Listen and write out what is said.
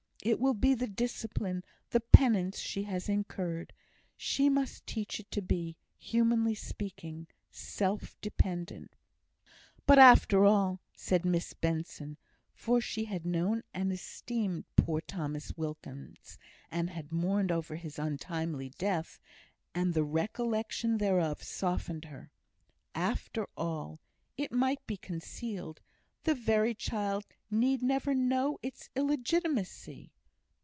It will be the discipline, the penance, she has incurred. She must teach it to be (humanly speaking) self dependent." "But after all," said Miss Benson (for she had known and esteemed poor Thomas Wilkins, and had mourned over his untimely death, and the recollection thereof softened her) "after all, it might be concealed. The very child need never know its illegitimacy."